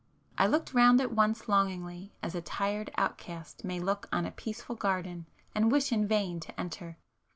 I looked round it once longingly as a [p 434] tired outcast may look on a peaceful garden and wish in vain to enter.